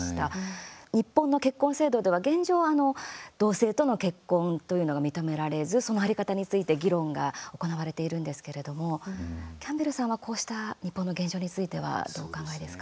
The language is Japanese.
日本の結婚制度では現状、同性との結婚というのが認められずその在り方について、議論が行われているんですけれどもキャンベルさんはこうした日本の現状についてはどうお考えですか？